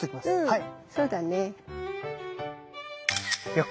はい。